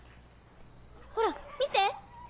ほら見て！